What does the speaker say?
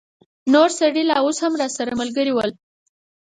نور سړي لا اوس هم راسره ملګري ول.